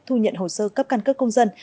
thu nhận hồ sơ cấp căn cước công dân